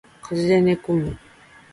風邪で寝込む